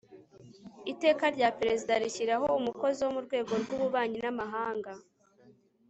Iteka rya Perezida rishyiraho umukozi wo mu rwego rw ububanyi n amahanga